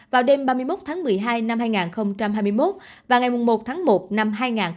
vào đêm ba mươi một tháng một mươi hai năm hai nghìn hai mươi một và ngày một tháng một năm hai nghìn hai mươi bốn